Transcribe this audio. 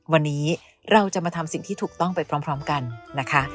วันนี้เราจะมาทำสิ่งที่ถูกต้องไปพร้อมกันนะคะ